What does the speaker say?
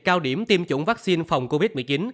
cao điểm tiêm chủng vaccine phòng covid một mươi chín